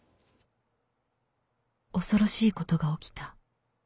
恐ろしいことが起きた」。